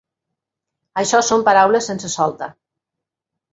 Això són paraules sense solta.